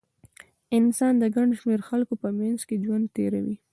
انسان د ګڼ شمېر خلکو په منځ کې ژوند تېروي.